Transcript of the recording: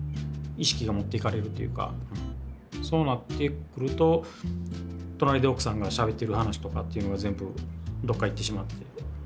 そうなってくると隣で奥さんがしゃべってる話とかっていうのは全部どっかに行ってしまって。